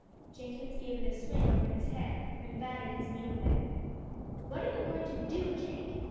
Jenkins gave it a swing over his head, then batted his knee with it. "What are you going to do, Jenk?"